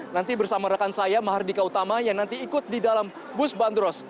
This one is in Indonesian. nanti bersama rekan saya mahardika utama yang nanti ikut di dalam bus bandros